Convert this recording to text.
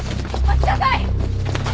待ちなさい！